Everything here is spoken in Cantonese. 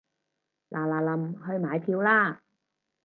嗱嗱臨去買票啦